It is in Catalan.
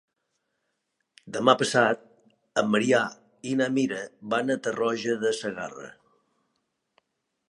Demà passat en Maria i na Mira van a Tarroja de Segarra.